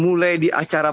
mulai di acara